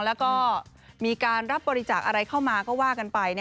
แล้วก็มีการรับบริจาคอะไรเข้ามาก็ว่ากันไป